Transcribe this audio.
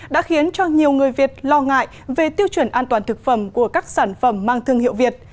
đã khiến cho nhiều người việt lo ngại về tiêu chuẩn an toàn thực phẩm của các sản phẩm mang thương hiệu việt